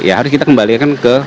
ya harus kita kembalikan ke